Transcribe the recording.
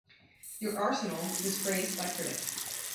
"Your Arsenal" was praised by critics.